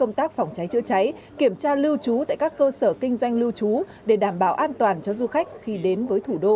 công tác phòng cháy chữa cháy kiểm tra lưu trú tại các cơ sở kinh doanh lưu trú để đảm bảo an toàn cho du khách khi đến với thủ đô